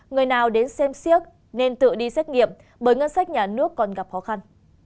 người nào đến xem xét nên tự đi xét nghiệm bởi ngân sách nhà nước còn gặp khó khăn